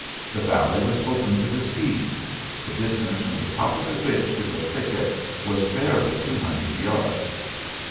The valley was open to the sea. The distance from the top of the ridge to the thicket was barely two hundred yards.